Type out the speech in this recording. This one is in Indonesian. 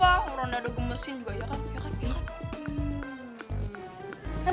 orang dada gemesin juga ya kan